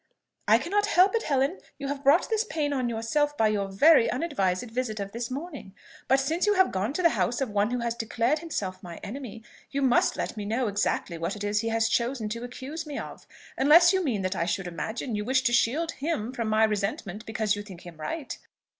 "I cannot help it, Helen: you have brought this pain on yourself by your very unadvised visit of this morning. But since you have gone to the house of one who has declared himself my enemy, you must let me know exactly what it is he has chosen to accuse me of; unless you mean that I should imagine you wish to shield him from my resentment because you think him right."